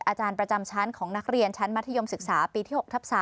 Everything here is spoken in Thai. อาจารย์ประจำชั้นของนักเรียนชั้นมัธยมศึกษาปีที่๖ทับ๓